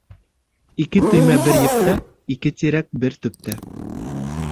Ике төймә бер ептә, ике тирәк бер төптә.